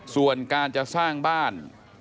ส่วนการจะสร้างบ้าน